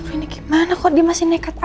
ini gimana kok dia masih nekat aja sih